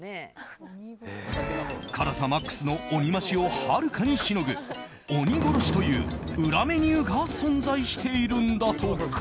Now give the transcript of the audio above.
辛さマックスの鬼増しをはるかにしのぐ鬼殺しという裏メニューが存在しているんだとか。